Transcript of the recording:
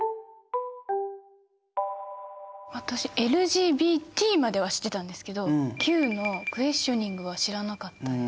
私ＬＧＢＴまでは知ってたんですけど「Ｑ」のクエスチョニングは知らなかったです。